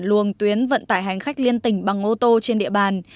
luồng tuyến vận tải hành khách liên tỉnh bằng ô tô trên địa bàn